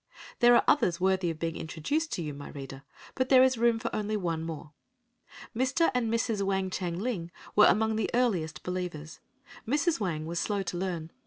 There are others worthy of being introduced to you, my reader, but there is room for only one more. Mr. and Mrs. Wang chang ling were among the earliest believers. Mrs. Wang was slow to learn.